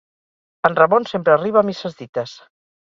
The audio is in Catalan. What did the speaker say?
En Ramon sempre arriba a misses dites.